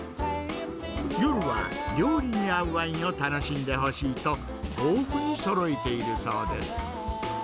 夜は料理に合うワインを楽しんでほしいと、豊富にそろえているそうです。